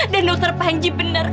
dan dokter panji benar